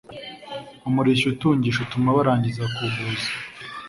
Umurishyo utungisha Utuma barangiza kuvuza